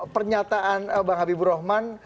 pernyataan bang habibur rahman